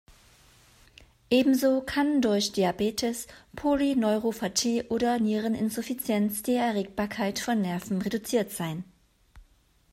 Ebenso kann durch Diabetes, Polyneuropathie oder Niereninsuffizienz die Erregbarkeit von Nerven reduziert sein.